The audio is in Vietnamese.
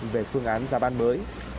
về phương án ra ban mới